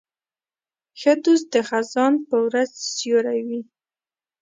ښه دوست د خزان په ورځ سیوری وي.